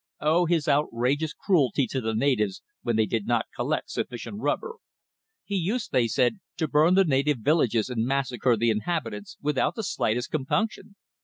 "Oh, his outrageous cruelty to the natives when they did not collect sufficient rubber. He used, they said, to burn the native villages and massacre the inhabitants without the slightest compunction.